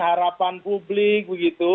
harapan publik begitu